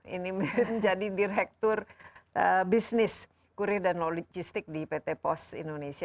ini menjadi direktur bisnis kurir dan logistik di pt pos indonesia